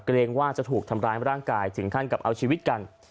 เกรงว่าจะถูกทำร้ายร่างกายถึงขั้นกับเอาชีวิตกัน